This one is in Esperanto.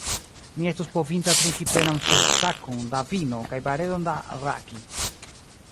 Mi estus povinta trinki plenan felsakon da vino kaj barelon da rhaki.